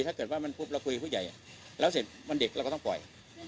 ถ้าเกิดว่ามันปุ๊บเราคุยกับผู้ใหญ่แล้วเสร็จวันเด็กเราก็ต้องปล่อย